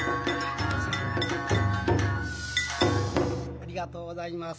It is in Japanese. ありがとうございます。